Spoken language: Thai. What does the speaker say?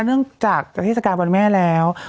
เนื่องจากจะเทศกาลวันแม่แล้ว